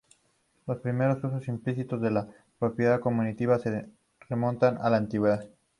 Los primeros usos implícitos de la propiedad conmutativa se remontan a la antigüedad.